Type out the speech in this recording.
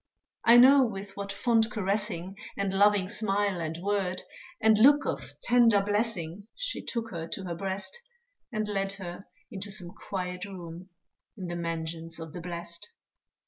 I know with what fond caressing, And loving smile and word, And look of tender blessing, She took her to her breast, And led her into some quiet room, In the mansions of the blest.